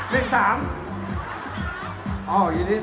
สี่สี่สี่สี่สอง